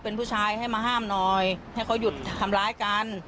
เป็นผู้ชายให้มาห้ามหน่อยให้เขาหยุดทำร้ายกัน